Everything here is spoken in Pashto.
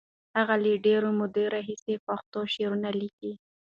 هغه له ډېرې مودې راهیسې پښتو شعرونه لیکي.